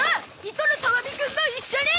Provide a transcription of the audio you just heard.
糸野たわみくんも一緒に！